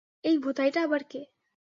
এই ভোঁদাইটা আবার কে?